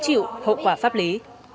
hậu quả pháp lý